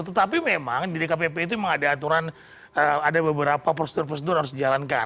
tetapi memang di dkpp itu memang ada aturan ada beberapa prosedur prosedur harus dijalankan